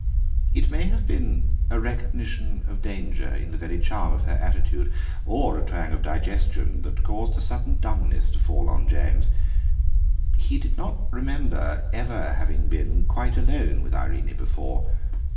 It may have been a recognition of danger in the very charm of her attitude, or a twang of digestion, that caused a sudden dumbness to fall on James. He did not remember ever having been quite alone with Irene before.